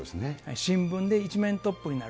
新聞で一面トップになる。